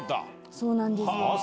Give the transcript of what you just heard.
そうなんですよ。